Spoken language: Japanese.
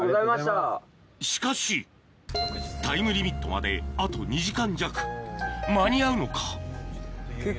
しかしタイムリミットまであと２時間弱間に合うのか？